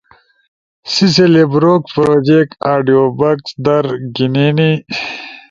، سی سے لیبروکس پروجیکٹ آڈیوبکس در گھینینی۔